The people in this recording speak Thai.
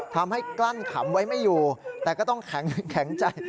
กลั้นขำไว้ไม่อยู่แต่ก็ต้องแข็งใจ